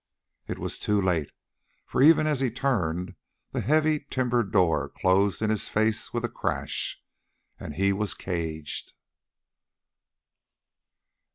It was too late, for even as he turned the heavy timber door closed in his face with a crash, and he was caged.